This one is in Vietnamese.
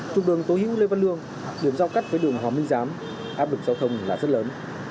trục đường tố hữu lê văn lương điểm giao cắt với đường hòa minh giám áp lực giao thông là rất lớn